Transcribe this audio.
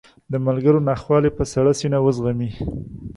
د ملګرو ناخوالې په سړه سینه وزغمي.